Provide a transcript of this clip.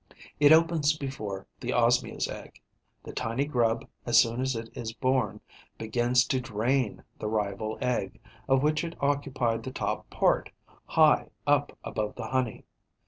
It opens before the Osmia's egg. The tiny grub, as soon as it is born, begins to drain the rival egg, of which it occupied the top part, high up above the honey.